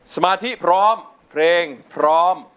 สมาธิพร้อมเพลงพร้อม